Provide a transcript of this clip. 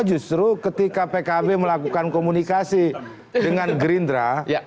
justru ketika pkb melakukan komunikasi dengan gerindra